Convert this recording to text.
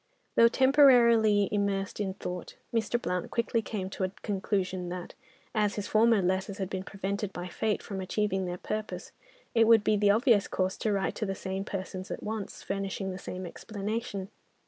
Though temporarily immersed in thought, Mr. Blount quickly came to the conclusion that, as his former letters had been prevented by fate from achieving their purpose, it would be the obvious course to write to the same persons at once, furnishing the same explanation.